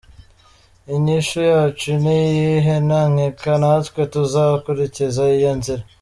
"Inyishu yacu n'iyihe? Nta nkeka - Natwe tuzokurikiza iyo nzira.